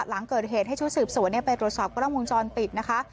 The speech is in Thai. หลังเกิดเหตุให้ชู้สืบสวนไปโดยสอบกระทั่งมุมจรปิดนะคะ